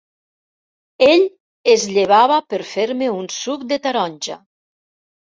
Ell es llevava per fer-me un suc de taronja!